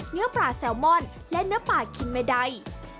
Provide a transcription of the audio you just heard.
เนื้อปลาแซลมอนและเนื้อปลาคิมเมได